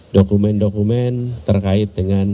dokumen dokumen terkait dengan